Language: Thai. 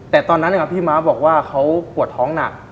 แต่ตอนนั้นพี่ม้าบอกว่าเขาปวดท้องหนัก